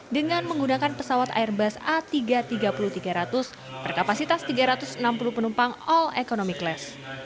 dengan menggunakan pesawat airbus a tiga ratus tiga puluh tiga ratus berkapasitas tiga ratus enam puluh penumpang all economiclas